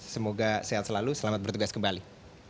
semoga sehat selalu selamat bertugas kembali